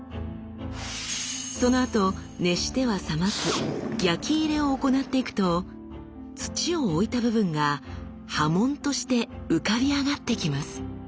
そのあと熱しては冷ます焼き入れを行っていくと土を置いた部分が刃文として浮かび上がってきます。